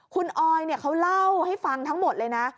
คุณออยเขาเล่าให้ฟังทั้งหมดเลยนะ